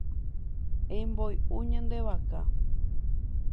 Emboy'u ñande vaka.